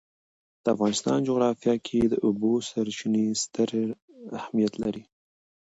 د افغانستان جغرافیه کې د اوبو سرچینې ستر اهمیت لري.